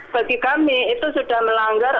bagi kami itu sudah melanggar